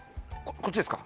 こっちですか？